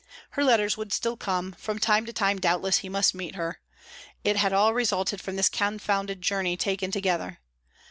Her letters would still come; from time to time doubtless he must meet her. It had all resulted from this confounded journey taken together!